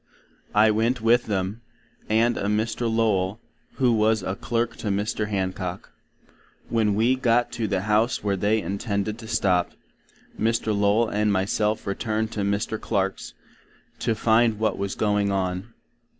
I went with them, and a Mr. Lowell, who was a Clerk to Mr. Hancock. When we got to the House where they intended to stop, Mr. Lowell and my self returned to Mr. Clark's, to find what was going on.